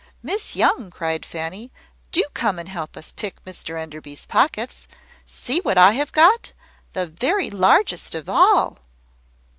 "Miss Young!" cried Fanny, "do come and help us to pick Mr Enderby's pockets. See what I have got the very largest of all!"